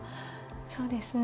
そうですね。